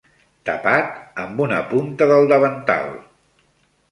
...tapat amb una punta del davantal.